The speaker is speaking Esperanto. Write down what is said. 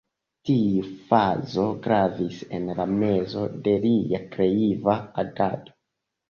Tiu fazo gravis en la mezo de lia kreiva agado.